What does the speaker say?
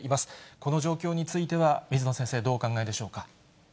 この状況については、水野先生、どうお考えでしょうか。